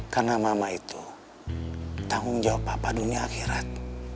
karena mama itu tanggung jawab papa dunia akhirat